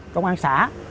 công an xã